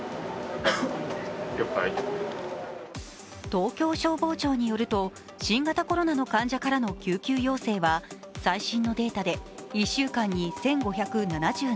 東京消防庁によると新型コロナの患者からの救急要請は最新のデータで１週間に１５７７件。